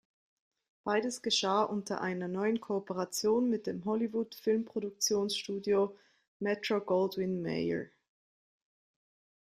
Beides geschah unter einer neuen Kooperation mit dem Hollywood-Filmproduktionsstudio Metro-Goldwyn-Mayer.